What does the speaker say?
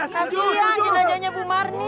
kasihan jenajahnya bu marni